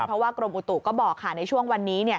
เพราะว่ากรมอุตุก็บอกค่ะในช่วงวันนี้